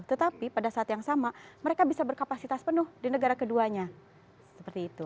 tetapi pada saat yang sama mereka bisa berkapasitas penuh di negara keduanya seperti itu